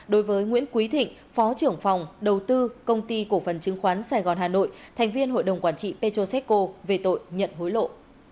đối với nguyễn quý thịnh phó trưởng phòng đầu tư công ty cổ phần chứng khoán sài gòn hà nội thành viên hội đồng quản trị petroseco về tội nhận hối lộ